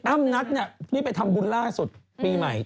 ตามรัชน์นี้แม้ไปทำบุญล่าสุดปีใหม่